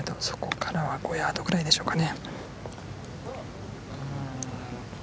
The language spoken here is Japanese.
そこからは５ヤードぐらいでしょうかね。